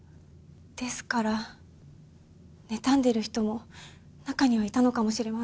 ですからねたんでる人も中にはいたのかもしれません。